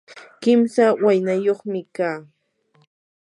kimsa waynayuqmi kaa.